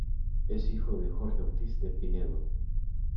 Es hijo de Jorge Ortiz de Pinedo.